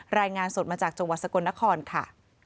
รายงานสดมาจากจังหวัดสกลนครค่ะ